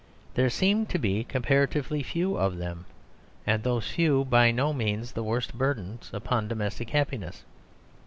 There seem to be comparatively few of them; and those few by no means the worst burdens upon domestic happiness.